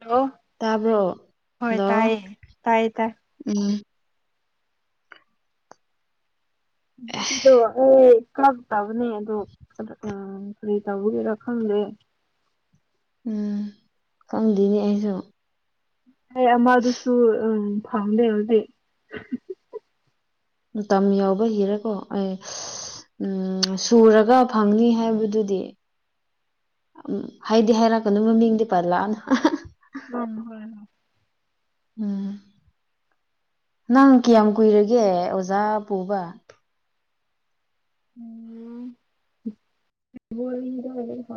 Hello ꯇꯥꯕ꯭ꯔꯣ ꯍꯣꯏ hello ꯇꯥꯏꯌꯦ ꯇꯥꯏꯌꯦ ꯇꯥꯏ ꯎꯝ ꯇꯣ ꯀꯛꯇꯕꯅꯦ ꯑꯗꯣ ꯀꯔꯤ ꯇꯧꯕꯒꯦꯔ ꯈꯪꯗꯦ ꯎꯝ ꯈꯪꯗꯦꯅꯦ ꯑꯩꯁꯨ ꯑꯩ ꯑꯃꯗꯨꯁꯨ ꯎ ꯐꯥꯎꯗꯩ ꯍꯧꯖꯤꯛ ꯃꯇꯝ ꯌꯥꯎꯕ ꯍꯤꯔꯦꯀꯣ ꯑꯦ ꯎꯝ ꯁꯨꯔꯒ ꯐꯪꯅꯤ ꯍꯥꯏꯕꯗꯨꯗꯤ ꯎꯝ ꯍꯥꯏꯗꯤ ꯍꯥꯏꯔꯛꯀꯗ ꯃꯃꯤꯡꯗꯤ ꯄꯜꯂꯛꯑꯅ ꯎ ꯍ ꯎꯝ ꯅꯪ ꯀꯌꯥꯝ ꯀꯨꯏꯔꯒꯦ ꯑꯣꯖꯥ ꯄꯨꯕ ꯎꯝꯕꯤꯗ ꯑꯣꯏ ꯐ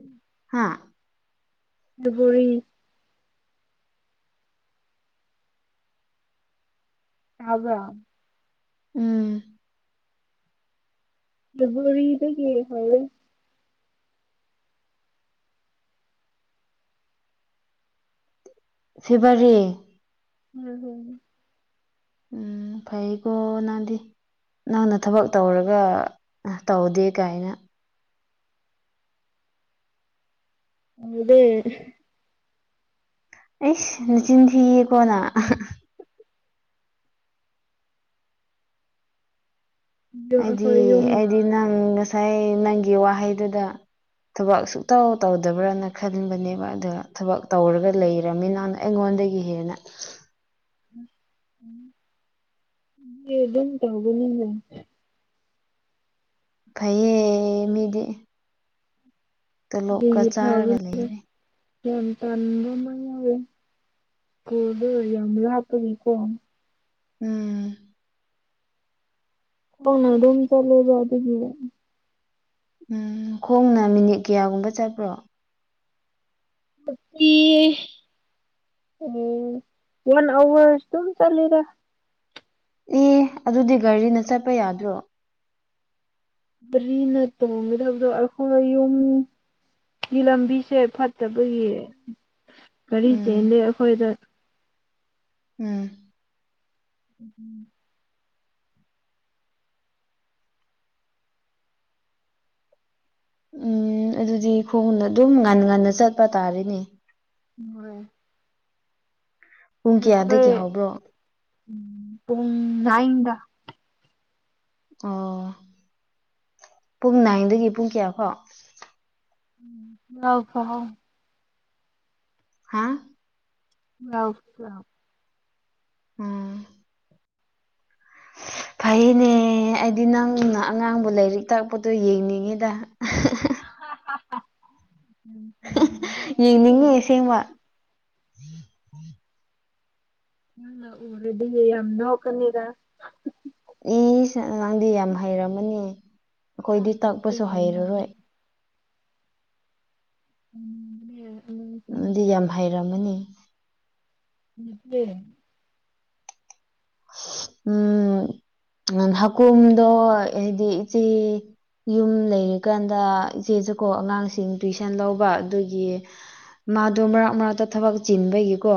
ꯎꯝ ꯍꯥꯥ ꯗꯨꯕꯨꯔꯤ ꯇꯕ꯭ꯔ ꯎꯝ ꯕꯔꯤꯗ ꯀ ꯍ ꯐꯦꯕꯔꯤ ꯎꯝ ꯍꯝ ꯎꯝ ꯐꯩꯒꯣꯅꯗꯤ ꯅꯪꯅ ꯊꯕꯛ ꯇꯧꯔꯒ ꯇꯧꯗꯦ ꯀꯥꯏꯅ ꯑꯗꯦ ꯑꯩꯁ ꯂꯆꯤꯟ ꯊꯤꯌꯦꯀꯣꯅ ꯑꯗꯣ ꯑꯩꯗꯤ ꯑꯩꯈꯣꯏ ꯌꯨꯝꯒ ꯑꯩꯗꯤ ꯅꯪ ꯉꯁꯥꯏ ꯅꯪꯒꯤ ꯋꯥꯍꯩꯗꯨꯗ ꯊꯕꯛ ꯁꯨꯛꯇꯧ ꯇꯧꯗꯕ꯭ꯔꯅ ꯈꯟꯕꯅꯦꯕ ꯑꯗꯨꯒ ꯊꯕꯛ ꯇꯧꯔꯒ ꯂꯩꯔꯕꯃꯤꯅꯅ ꯑꯩꯉꯣꯟꯗꯒꯤ ꯍꯦꯟꯅ ꯌꯦ ꯟ ꯇ ꯅꯗ ꯐꯌꯦ ꯃꯤꯗꯤ ꯒꯤ ꯇꯣꯂꯣꯞꯀ ꯆꯥꯔꯒ ꯐ꯭ꯔꯣꯕꯂꯦꯝ ꯂꯩꯔꯦ ꯌꯥꯝ ꯇꯗ ꯃꯅꯤꯔꯦ ꯀꯗ ꯌꯥꯝ ꯍꯥꯄꯅꯤ ꯀꯣ ꯎꯝ ꯍꯅ ꯑꯗꯨꯝ ꯆꯂꯦꯗꯒꯤ ꯎꯝ ꯈꯣꯡꯅ ꯃꯤꯅꯤꯠ ꯀꯌꯥꯒꯨꯝꯕ ꯆꯠꯄ꯭ꯔꯣ [inaudible] ꯎꯝ ꯋꯥꯟ ꯑꯋꯥꯔ ꯇꯝ ꯆꯂꯗ ꯑꯦ ꯑꯗꯨꯗꯤ ꯒꯥꯔꯤꯅ ꯆꯠꯄ ꯌꯥꯗ꯭ꯔꯣ ꯕꯔꯤꯅ ꯇꯣꯡꯒꯗꯕꯗꯣ ꯑꯩꯈꯣꯏꯅ ꯌꯨꯝ ꯂꯝꯕꯤꯁꯦ ꯐꯠꯇꯕꯒꯤ ꯀꯔꯤ ꯎꯝ ꯆꯦꯟꯗꯦ ꯑꯩꯈꯣꯏꯗ ꯎꯝ ꯎꯝ ꯎꯝ ꯑꯗꯨꯗꯤ ꯈꯣꯡꯅ ꯑꯗꯨꯝ ꯉꯟ ꯉꯟꯅ ꯆꯠꯄ ꯇꯥꯔꯤꯅꯦ ꯍꯝ ꯄꯨꯡ ꯑꯩꯈꯣꯏ ꯀꯌꯥꯗꯒꯤ ꯍꯧꯕ꯭ꯔꯣ ꯎ ꯄꯨꯡꯅꯥꯏꯗ ꯑꯣ ꯄꯨꯡ ꯅꯥꯏꯟꯗꯒꯤ ꯄꯨꯡ ꯀꯌꯥꯈꯣ ꯍ ꯐ ꯍꯥꯎ ꯍꯥꯥ ꯑ ꯎꯝ ꯐꯩꯅꯦ ꯑꯩꯗꯤ ꯅꯪꯅ ꯑꯉꯥꯡꯕꯨ ꯂꯥꯏꯔꯤꯛ ꯇꯥꯛꯄꯗꯣ ꯌꯦꯡꯅꯤꯡꯉꯤꯗ ꯍ ꯍ ꯎꯝ ꯎ ꯌꯦꯡꯅꯤꯡꯉ ꯑꯁꯦꯡꯕ ꯑ ꯎꯔꯦꯗꯤꯒꯦ ꯌꯥꯝ ꯅ ꯀꯅꯤꯗ ꯑꯦ ꯑꯉꯥꯡꯗꯤ ꯌꯥꯝ ꯍꯩꯔꯝꯃꯅꯤ ꯑꯩꯈꯣꯏꯗꯤ ꯂꯩꯇꯦ ꯇꯛꯄꯁꯨ ꯀꯩꯅꯣ ꯍꯩꯔꯔꯣꯏ ꯎꯝ ꯑꯗꯨꯗꯤ ꯌꯥꯝ ꯍꯩꯔꯝꯃꯅꯤ ꯎ ꯎꯝ ꯍꯀꯨꯝꯗꯣ ꯍꯥꯏꯗꯤ ꯏꯆꯦ ꯌꯨꯝ ꯂꯩꯔꯤꯀꯥꯟꯗ ꯏꯆꯦꯁꯨꯀꯣ ꯑꯉꯥꯡꯁꯤꯡ ꯇꯨꯏꯤꯁꯟ ꯂꯧꯕ ꯑꯗꯨꯒꯤ ꯃꯥꯗꯣ ꯃꯔꯛ ꯃꯔꯛꯇ ꯊꯕꯛ ꯆꯤꯟꯕꯒꯤꯀꯣ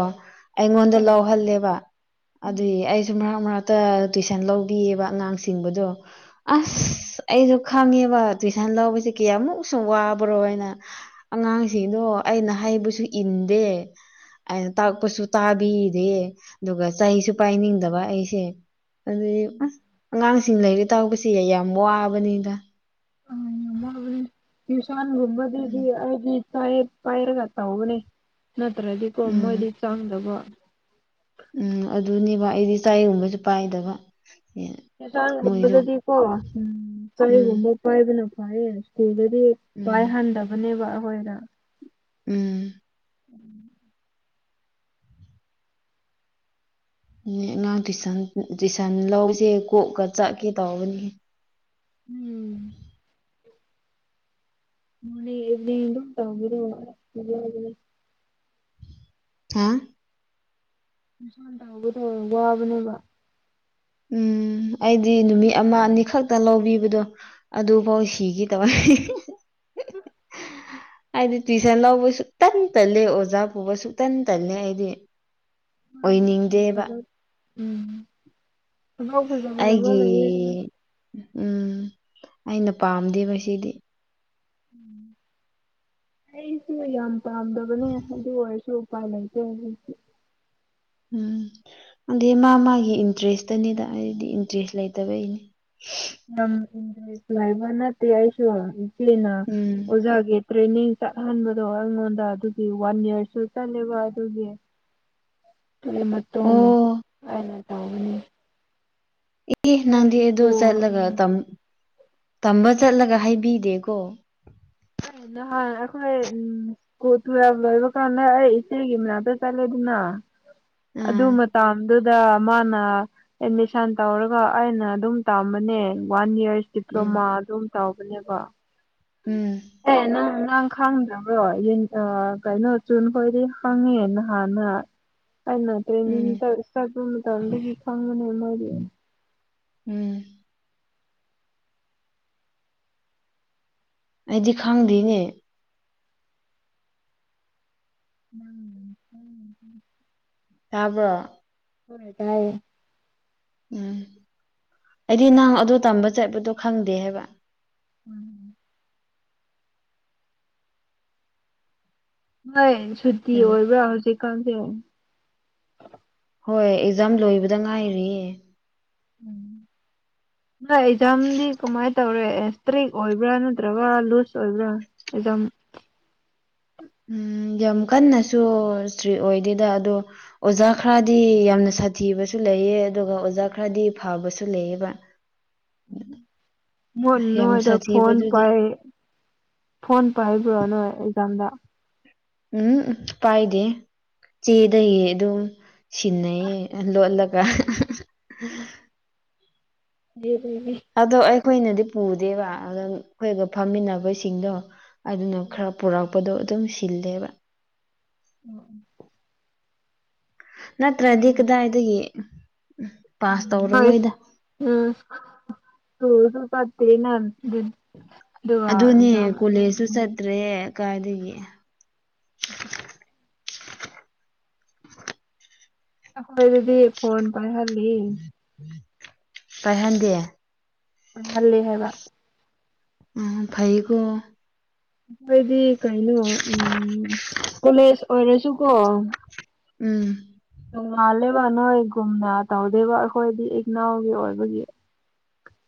ꯑꯩꯉꯣꯟꯗ ꯂꯧꯍꯜꯂꯦꯕ ꯑꯗꯨꯏ ꯑꯩ ꯃꯔꯛ ꯃꯔꯛꯇ ꯇꯨꯏꯁꯟ ꯂꯧꯕꯤꯑꯕ ꯑꯉꯥꯡꯁꯤꯡꯕꯗꯣ ꯑꯁ ꯎꯝ ꯑꯩꯁꯨ ꯈꯪꯉꯦꯕ ꯇꯨꯏꯁꯟ ꯂꯧꯕꯁꯦ ꯀꯌꯥꯃꯨꯛꯁꯨ ꯋꯥꯕ꯭ꯔꯣ ꯍꯥꯏꯅ ꯑꯉꯥꯡꯁꯤꯡꯗꯣ ꯑꯩꯅ ꯍꯩꯕꯁꯨ ꯏꯟꯗꯦ ꯑꯩꯅ ꯎꯝ ꯇꯥꯛꯄꯁꯨ ꯇꯥꯕꯤꯗꯦ ꯑꯗꯨꯒ ꯆꯍꯤꯁꯨ ꯄꯥꯏꯅꯤꯡꯗꯕ ꯑꯩꯁꯦ ꯑꯗꯨꯩ ꯑꯁ ꯑꯉꯥꯡꯁꯤꯡ ꯂꯩꯔꯤ ꯇꯥꯁꯦ ꯌꯥꯝ ꯋꯥꯕꯅꯤꯗ ꯑ ꯌ ꯇꯨꯁꯥꯟ ꯎꯝ ꯍꯣꯗꯗꯤ ꯍꯥꯏ ꯄꯥꯏꯔꯒ ꯇꯧꯕꯅꯦ ꯅꯠꯇ꯭ꯔꯗꯤꯀꯣ ꯎꯝ ꯃꯣꯏꯗꯤ ꯆꯥꯡꯗꯕ ꯎꯝ ꯑꯗꯨꯅꯦꯕ ꯑꯩꯗꯤ ꯆꯥꯏꯒꯨꯝꯕꯁꯨ ꯄꯥꯏꯗꯕ ꯃꯣꯏꯗꯨ ꯍꯦꯇꯥꯡꯒꯨꯝꯕꯗꯗꯤꯀꯣ ꯎꯝ ꯎꯝ ꯆꯒꯨꯝꯕ ꯄꯥꯏꯕꯅ ꯐꯌꯦ ꯑꯗꯨꯤꯗꯗꯤ ꯎꯝ ꯄꯥꯏꯍꯟꯗꯕꯅꯦꯕ ꯑꯩꯈꯣꯏꯗ ꯎꯝ ꯎꯝ ꯑꯉꯥꯡ ꯇꯨꯏꯁꯟ ꯇꯨꯏꯁꯟ ꯂꯁꯦ ꯀꯣꯛꯀ ꯆꯠꯀꯦ ꯇꯧꯕꯅꯤ ꯎꯝ ꯃꯅꯦ ꯑꯦꯅꯤ ꯇꯕꯤꯑꯣ ꯃ ꯍꯥ ꯃꯤꯁꯥꯟ ꯇꯥꯎꯕꯗꯣ ꯋꯥꯕꯅꯦꯕ ꯎꯝ ꯑꯩꯗꯤ ꯅꯨꯃꯤꯠ ꯑꯃ ꯑꯅꯤꯈꯛꯇ ꯂꯧꯕꯤꯕꯗꯣ ꯑꯗꯨꯐꯥꯎ ꯁꯤꯒꯤ ꯇꯧꯋꯦ ꯎꯝ ꯑꯩꯗꯤ ꯇꯨꯏꯁꯟ ꯂꯧꯕ ꯁꯨꯡꯇꯟ ꯇꯜꯂꯦ ꯑꯣꯖꯥ ꯄꯨꯕꯁꯨꯨ ꯁꯨꯇꯟ ꯇꯜꯂꯦ ꯑꯩꯗꯤ ꯅꯪꯗꯤ ꯀꯔꯤ ꯑꯣꯏꯅꯤꯡꯗꯦꯕ ꯊꯕꯛ ꯎꯝ ꯈꯨꯉꯥꯎ ꯐꯖ ꯐꯖꯕ ꯑꯩꯒꯤ ꯂꯩꯌꯦ ꯑꯗꯨꯅ ꯎꯝ ꯑꯩꯅ ꯄꯥꯝꯗꯦꯕ ꯁꯤꯗꯤ ꯎꯝ ꯑꯩꯁꯨ ꯌꯥꯝ ꯄꯥꯝꯗꯕꯅꯦ ꯑꯗꯨ ꯑꯣꯏꯔꯁꯨ ꯎꯄꯥꯏ ꯂꯩꯇꯦ ꯍꯧꯖꯤꯛꯇꯤ ꯎꯝ ꯑꯗꯩ ꯃꯥ ꯃꯥꯒꯤ ꯏꯟꯇ꯭ꯔꯦꯁꯇꯅꯤꯗ ꯑꯩꯗꯤ ꯏꯟꯇ꯭ꯔꯦꯁ ꯂꯩꯇꯕꯩꯅꯤ ꯂꯝ ꯏꯟꯇ꯭ꯔꯦꯁ ꯂꯩꯕ ꯅꯠꯇꯦ ꯑꯩꯁꯨ ꯏꯆꯦꯅ ꯎꯝ ꯑꯣꯖꯥꯒꯤ ꯇ꯭ꯔꯦꯅꯤꯡ ꯆꯠꯍꯟꯕꯗꯣ ꯑꯩꯉꯣꯟꯗ ꯑꯗꯨꯒꯤ ꯋꯥꯟꯅꯦꯜꯁꯨ ꯆꯠꯂꯦꯕ ꯑꯗꯨꯒꯤ [unintelligible] ꯑꯗꯨꯒꯤ ꯃꯇꯨꯡ ꯑꯣ ꯑꯩꯅ ꯇꯧꯕꯅꯤ ꯑꯦ ꯑꯩꯈꯣꯏ ꯅꯪꯗꯤ ꯑꯗꯨ ꯁ꯭ꯀꯨꯜ ꯆꯠꯂꯒ ꯎꯝ ꯇꯝ ꯇꯝꯕ ꯆꯠꯂꯒ ꯍꯥꯏꯕꯤꯗꯦꯀꯣ ꯑꯩ ꯅꯍꯥꯟ ꯑꯩꯈꯣꯏ ꯎꯝ ꯀꯣꯇꯨꯔꯞ ꯂꯣꯏꯕ ꯀꯥꯟꯗ ꯑꯩ ꯏꯆꯦꯒꯤ ꯃꯅꯥꯛꯇ ꯆꯠꯂꯦꯗꯅ ꯑꯗꯨ ꯑꯥ ꯃꯇꯥꯝ ꯑꯗꯨꯗ ꯃꯥꯅ ꯑꯦꯠꯃꯤꯁꯟ ꯇꯧꯔꯒ ꯑꯩꯅ ꯑꯗꯨꯝ ꯇꯝꯕꯅꯦ ꯋꯥꯟ ꯏꯌ꯭ꯔꯁ ꯎꯝ ꯗꯤꯄ꯭ꯂꯣꯃꯥ ꯑꯗꯨꯝ ꯇꯧꯕꯅꯦꯕ ꯎꯝ ꯑꯦ ꯅꯪ ꯉꯥꯡ ꯈꯡꯗ꯭ꯔꯕ꯭ꯔꯣ ꯌꯦꯟ ꯑ ꯀꯩꯅꯣ ꯆꯨꯟꯈꯣꯏꯗꯤ ꯈꯪꯉꯤ ꯅꯍꯥꯟꯅ ꯑꯩꯅ ꯎꯝ ꯇ꯭ꯔꯦꯅꯤꯡꯇ ꯆꯠꯄ ꯃꯇꯝꯗꯒꯤ ꯈꯪꯕꯅꯦ ꯃꯥꯗꯤ ꯎꯝ ꯑꯩꯗꯤ ꯈꯪꯗꯤꯅꯦ [inaudible] ꯇꯥꯕ꯭ꯔꯣ ꯇꯥꯏꯌꯦ ꯎꯝ ꯑꯩꯗꯤ ꯅꯪ ꯑꯗꯨ ꯇꯝꯕ ꯆꯠꯄꯗꯣ ꯈꯪꯗꯦ ꯍꯥꯏꯕ ꯎꯝ ꯍꯣꯏ ꯁꯨꯇꯤ ꯌꯥꯝ ꯑꯣꯏꯕ꯭ꯔꯥ ꯍꯧꯖꯤꯛꯀꯥꯟꯁꯦ ꯍꯣꯏ ꯑꯦꯛꯖꯥꯝ ꯂꯣꯏꯕꯗ ꯉꯥꯏꯔꯤꯌꯦ ꯎꯝ ꯍꯣꯏ ꯑꯦꯛꯖꯥꯝꯗꯤ ꯀꯃꯥꯏ ꯇꯧꯔꯛꯑꯦ ꯭ꯇ꯭ꯔꯤꯛ ꯑꯣꯏꯕ꯭ꯔꯥ ꯅꯠꯇ꯭ꯔꯒ ꯂꯨꯖ ꯑꯣꯏꯕ꯭ꯔꯥ ꯑꯦꯛꯖꯥꯝ ꯎꯝ ꯌꯥꯝ ꯀꯟꯅꯁꯨ ꯏꯁꯇ꯭ꯔꯤ ꯑꯣꯏꯗꯦꯗ ꯑꯗꯣ ꯑꯣꯖꯥ ꯈꯔꯗꯤ ꯌꯥꯝꯅ ꯁꯥꯊꯤꯕꯁꯨ ꯂꯩꯑꯦ ꯑꯗꯨꯒ ꯑꯣꯖꯥ ꯈꯔꯗꯤ ꯐꯕꯁꯨ ꯂꯩꯑꯦꯕ [inaudible] ꯃꯣꯏꯅ ꯅꯣꯏꯗ ꯐꯣꯟ ꯁꯥꯊꯤꯕꯗꯨꯗꯤ ꯄꯥꯏ ꯐꯣꯟ ꯄꯥꯏꯕ꯭ꯔꯣ ꯅꯣꯏ ꯑꯦꯛꯖꯥꯝꯗ ꯎꯝ ꯄꯥꯏꯗꯦ ꯆꯦꯗꯒꯤ ꯑꯗꯨꯝ ꯁꯤꯟꯅꯩꯌꯦ ꯂꯣꯠꯂꯒ ꯔꯦꯠ ꯑꯣꯏꯕꯤ ꯑꯗꯣ ꯑꯩꯈꯣꯏꯅꯗꯤ ꯄꯨꯗꯦꯕ ꯑꯗ ꯑꯩꯈꯣꯏꯒ ꯐꯝꯃꯤꯟꯅꯕꯁꯤꯡꯗꯣ ꯑꯗꯨꯅ ꯈꯔ ꯄꯨꯔꯛꯄꯗꯣ ꯑꯗꯨꯝ ꯁꯤꯜꯂꯦꯕ ꯑꯣ ꯑꯣ ꯅꯠꯇ꯭ꯔꯗꯤ ꯀꯗꯥꯏꯗꯒꯤ ꯄꯥꯁ ꯅꯣꯏ ꯇꯧꯔꯔꯣꯏꯗ ꯎꯝ ꯇꯧꯗꯁꯨ ꯐꯠꯇꯦꯅ ꯑꯗꯨ ꯑꯗꯨꯅꯦ ꯀꯣꯂꯦꯖꯁꯨ ꯆꯠꯇ꯭ꯔꯦ ꯀꯥꯏꯗꯒꯤ ꯎꯝ ꯍꯣꯏ ꯑꯗꯨꯗꯤ ꯐꯣꯟ ꯄꯥꯏ ꯍꯜꯂꯤꯂꯤ ꯀꯥꯏꯍꯟꯗꯦ ꯍꯂ ꯍꯥꯏꯕ ꯐꯩꯒꯣ ꯑꯩꯈꯣꯏꯗꯤ ꯀꯩꯅꯣ ꯎꯝ ꯀꯣꯂꯦꯖ ꯑꯣꯏꯔꯁꯨꯀꯣ ꯎꯝ ꯃꯥꯜꯂꯦꯕ ꯅꯣꯏꯒꯨꯝꯅ ꯇꯧꯗꯦꯕ ꯑꯩꯈꯣꯏꯗꯤ ꯏꯛꯅꯥꯎꯒꯤ ꯑꯣꯏꯕꯒꯤ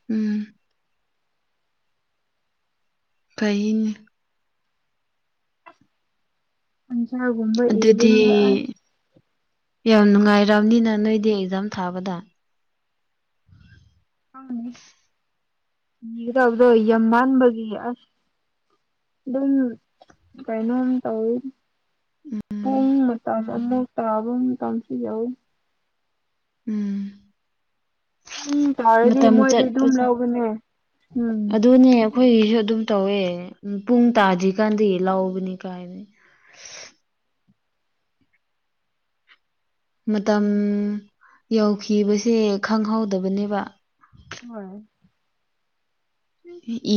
ꯎꯝ ꯐꯩꯅꯤ ꯍꯟꯖꯒꯨꯝꯕ ꯏꯕ ꯑꯗꯨꯗꯤ ꯌꯥꯝ ꯅꯨꯡꯉꯥꯏꯔꯕꯅꯤꯅ ꯅꯣꯏꯗꯤ ꯑꯦꯛꯖꯥꯝ ꯊꯥꯕꯗ ꯃꯤꯗꯕꯗ ꯌꯥꯝ ꯃꯅꯕꯒꯤ ꯑꯗꯨꯝ ꯀꯩꯅꯣꯝ ꯇꯧꯋꯤ ꯎꯝ ꯄꯨꯡ ꯃꯇ ꯑꯃꯨ ꯇꯥꯕ ꯇꯥꯡꯁꯤ ꯌꯥꯎꯋꯏ ꯎꯝ ꯄꯨꯡ ꯇꯥꯔꯗꯤ ꯃꯇꯝ ꯃꯣꯏꯗꯤ ꯑꯗꯨꯝ ꯆꯠꯄꯁꯦ ꯂꯧꯕꯅꯦ ꯎꯝ ꯑꯗꯨꯅꯦ ꯑꯩꯈꯣꯏꯒꯤꯁꯨ ꯑꯗꯨꯝ ꯇꯧꯋꯦ ꯄꯨꯡ ꯇꯥꯗ꯭ꯔꯤꯀꯥꯟ ꯂꯥꯎꯕꯅꯤ ꯀꯥꯏꯅꯤ ꯃꯇꯝ ꯌꯧꯈꯤꯕꯁꯦ ꯈꯪꯍꯧꯗꯕꯅꯦꯕ ꯍꯣꯏ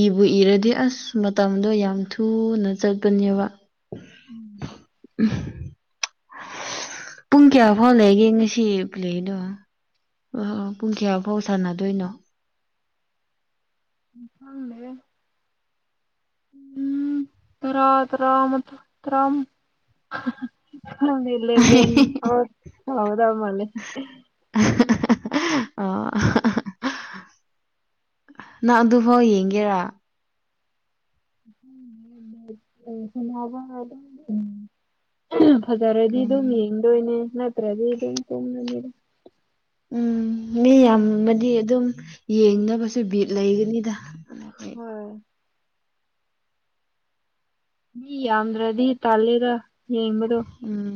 ꯏꯕꯨ ꯏꯔꯗꯤ ꯑꯁ ꯃꯇꯝꯗꯣ ꯌꯥꯝ ꯊꯨꯅ ꯆꯠꯄꯅꯦꯕ ꯎꯝ ꯄꯨꯡ ꯀꯌꯥ ꯐꯥꯎ ꯂꯩꯒꯦ ꯉꯁꯤ ꯑ ꯂꯩꯏꯅꯣ ꯑ ꯄꯨꯡ ꯀꯌꯥꯐꯥꯎ ꯁꯥꯟꯅꯗꯣꯏꯅꯣ ꯝꯃꯦ ꯎꯝ ꯔ ꯔꯥ ꯇꯝ ꯂꯩꯕꯦꯟ ꯍꯥꯎꯗ ꯃꯅꯦ ꯑꯣ ꯅꯪ ꯑꯗꯨꯐꯥꯎ ꯌꯦꯡꯒꯦꯔꯥ ꯅꯕ ꯎ ꯐꯖꯔꯗꯤ ꯑꯗꯨꯝ ꯎꯝ ꯌꯦꯡꯗꯣꯏꯅꯦ ꯅꯠꯇ꯭ꯔꯗꯤ ꯑꯗꯨꯝ ꯇꯨꯡꯉꯅꯤꯗ ꯎꯝ ꯃꯤ ꯌꯥꯝꯃꯗꯤ ꯑꯗꯨꯝ ꯌꯦꯡꯅꯕꯁꯨ ꯕꯤꯠ ꯂꯩꯒꯅꯤꯗ ꯍꯣꯏ ꯃꯤ ꯌꯥꯝꯗ꯭ꯔꯗꯤ ꯇꯥꯜꯂꯦꯒ ꯌꯦꯡꯕꯗꯣ ꯎꯝ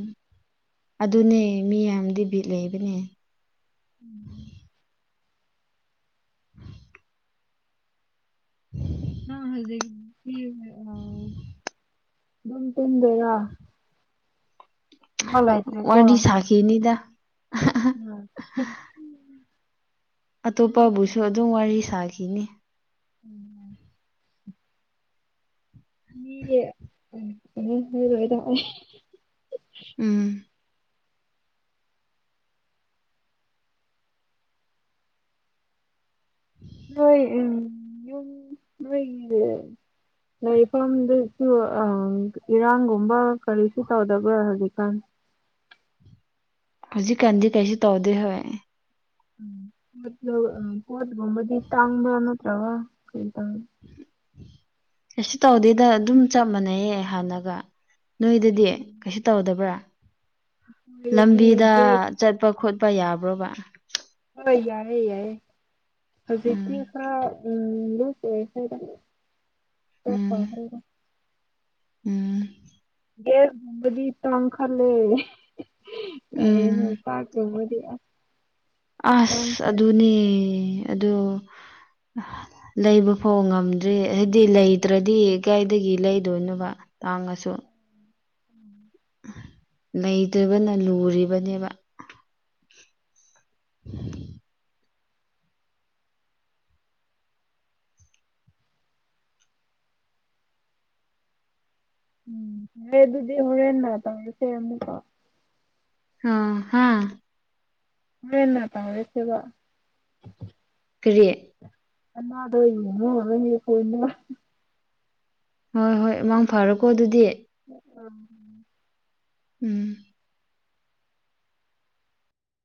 ꯑꯗꯨꯅꯦ ꯃꯤ ꯌꯥꯝꯗꯤ ꯕꯤꯠ ꯂꯩꯕꯅꯦ ꯎꯝ ꯎ [inaudible] ꯑ ꯍꯧꯖꯤ ꯑꯗꯨꯝ ꯇꯝꯗꯦꯔ ꯂꯩꯇ꯭ꯔꯦꯀꯣ ꯋꯥꯗꯤ ꯑ. ꯁꯥꯀꯤꯦꯅꯤ ꯇ ꯎꯝ ꯑꯇꯣꯞꯄꯕꯨꯁꯨ ꯑꯗꯨꯝ ꯋꯥꯔꯤ ꯁꯥꯈꯤꯅꯤ ꯎꯝ ꯑꯣꯏꯣꯏꯗ ꯎꯝ ꯎ ꯅꯣꯏ ꯎꯝ ꯅꯣꯏ ꯂꯩꯐꯝꯗꯁꯨ ꯏꯔꯥꯡꯒꯨꯝꯕ ꯀꯔꯤꯁꯨ ꯇꯧꯗꯕ꯭ꯔꯥ ꯍꯧꯖꯤꯛꯀꯥꯟ ꯍꯧꯖꯤꯛꯀꯥꯟꯗꯤ ꯀꯩꯁꯨ ꯇꯧꯗꯦ ꯍꯣꯏ ꯠ ꯑ ꯄꯣꯠꯒꯕꯗꯤ ꯇꯥꯡ ꯃ ꯅꯠꯇ꯭ꯔ ꯀ ꯇ ꯑ ꯇꯧꯗꯦꯗ ꯑꯗꯨꯝ ꯆꯞ ꯃꯥꯟꯅꯩꯌꯦ ꯍꯥꯟꯅꯒ ꯅꯣꯏꯗꯗꯤ ꯀꯩꯁꯨ ꯇꯧꯗꯕ꯭ꯔꯥ ꯍꯥꯏꯗꯤ ꯂꯝꯕꯤꯗ ꯒ꯭ꯌꯥꯁ ꯆꯠꯄ ꯈꯣꯠꯄ ꯌꯥꯕ꯭ꯔꯣꯕ ꯍꯣꯏ ꯌꯥꯏ ꯌꯥꯏ ꯍꯧꯖꯤꯛ ꯎꯝ ꯍꯥ ꯎ ꯂꯨꯁꯦ ꯎꯝ [unintelligible] ꯎꯝ ꯒꯦꯔꯕꯗꯤ ꯇꯪ ꯈ ꯂꯩꯦ ꯎꯝ ꯑꯦ ꯄꯥꯀ ꯃꯗꯤ ꯑꯁ ꯑꯗꯨꯅꯦ ꯑ ꯂꯩꯕ ꯐꯥꯎ ꯉꯝꯗ꯭ꯔꯤ ꯍꯥꯏꯗꯤ ꯂꯩꯇ꯭ꯔꯗꯤ ꯀꯥꯏꯗꯒꯤ ꯂꯩꯗꯣꯏꯅꯣꯕ ꯇꯥꯡꯉꯁꯨ ꯂꯩꯇꯕꯅ ꯂꯨꯔꯤꯕꯅꯦꯕ ꯎꯝ ꯍ ꯑꯗꯨꯗꯤ ꯍꯔꯦꯟꯟꯅ ꯇꯁꯦꯀꯥꯎ ꯑꯣ ꯍꯥ ꯃꯟꯅ ꯇꯁꯦꯕ ꯀꯔꯤꯠ ꯑꯅꯥꯗꯅ ꯀꯅ ꯍꯣꯏ ꯍꯣꯏ ꯃꯃꯥꯡ ꯐꯔꯣꯀꯣ ꯑꯗꯨꯗꯤ [unintelligible] ꯎꯝ